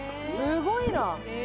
すごいな。